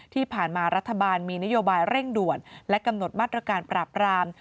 ที่ผ่านมารัฐบาลมีนโยบายเร่งด่วนและกำหนดมาตรการปราบราม